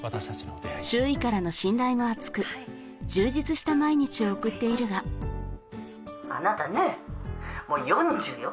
周囲からの信頼もあつく充実した毎日を送っているが☎あなたねもう４０よ